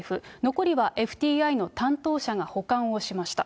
残りはＦＴＩの担当者が保管をしました。